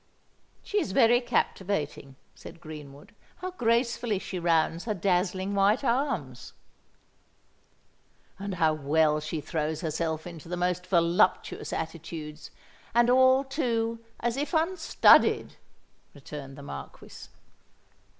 "She is very captivating," said Greenwood. "How gracefully she rounds her dazzling white arms!" "And how well she throws herself into the most voluptuous attitudes—and all, too, as if unstudied!" returned the Marquis.